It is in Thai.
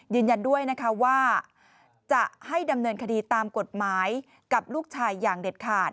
ยืนยันด้วยนะคะว่าจะให้ดำเนินคดีตามกฎหมายกับลูกชายอย่างเด็ดขาด